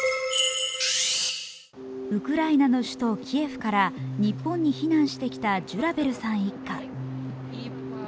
ウクライナの首都キエフから日本に避難してきたジュラベルさん一家。